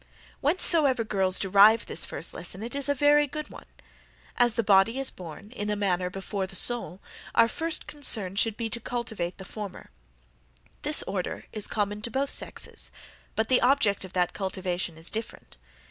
"Whencesoever girls derive this first lesson it is a very good one. As the body is born, in a manner before the soul, our first concern should be to cultivate the former; this order is common to both sexes, but the object of that cultivation is different.